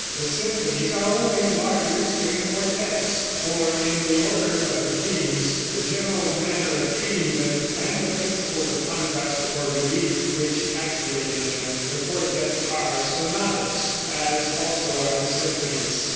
The symphonies are only larger string quartettes, for, in the order of the themes, the general manner of treating them and the principles of contrast or relief which actuated them, the quartettes are sonatas, as also are the symphonies.